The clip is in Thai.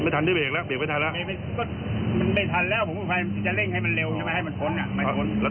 อ๋อแต่ก่อนนั้นมีรถเก่งจอดอยู่แล้ว